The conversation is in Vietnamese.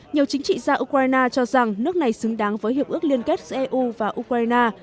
nhiều chính trị gia ukraine cho rằng nước này xứng đáng với hiệp ước liên kết giữa eu và ukraine